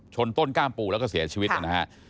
ชนต้นก้ามปูแล้วก็เสียชีวิตนะครับ